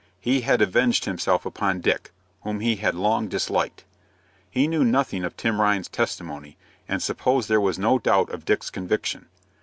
He had avenged himself upon Dick, whom he had long disliked. He knew nothing of Tim Ryan's testimony, and supposed there was no doubt of Dick's conviction.